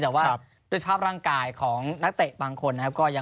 แต่ว่าร่างกายของนักเตะบางคน